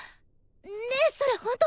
ねえそれほんと？